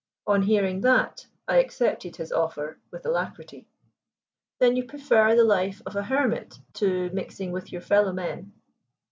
On hearing that I accepted his offer with alacrity." "Then you prefer the life of a hermit to mixing with your fellow men?"